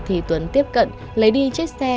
thì tuấn tiếp cận lấy đi chiếc xe